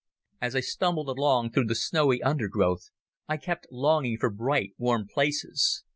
As I stumbled along through the snowy undergrowth I kept longing for bright warm places.